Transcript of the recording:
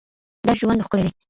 دا ژوند ښکلی دی